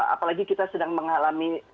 apalagi kita sedang mengalami